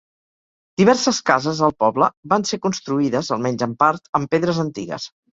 Diverses cases al poble van ser construïdes, almenys en part, amb pedres antigues.